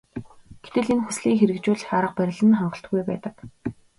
Гэтэл энэ хүслийг хэрэгжүүлэх арга барил нь хангалтгүй байдаг.